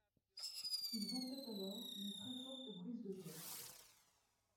Il ventait alors une très-forte brise de l’ouest.